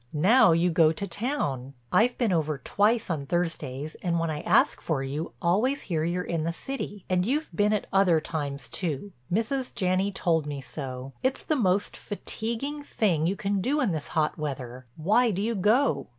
Now you go to town. I've been over twice on Thursdays and when I ask for you, always hear you're in the city. And you've been at other times too—Mrs. Janney told me so. It's the most fatiguing thing you can do in this hot weather. Why do you go?"